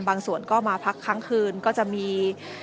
ส่วนก็มาพักครั้งคืนก็จะมี